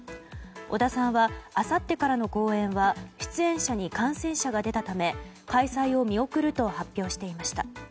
小田さんはあさってからの公演は出演者に感染者が出たため開催を見送ると発表していました。